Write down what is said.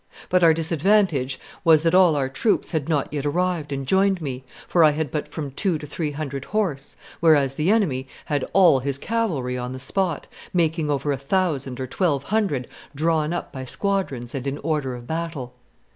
But our disadvantage was, that all our troops had not yet arrived and joined me, for I had but from two to three hundred horse, whereas the enemy had all his cavalry on the spot, making over a thousand or twelve hundred drawn up by squadrons and in order of battle.